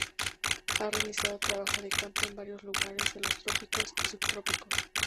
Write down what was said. Ha realizado trabajo de campo en varios lugares de los trópicos y subtrópicos.